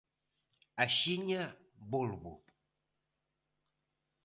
Axiña volvo.